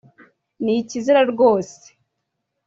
"ni ikizira ryose